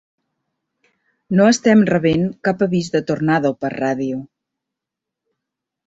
No estem rebent cap avís de tornado per ràdio.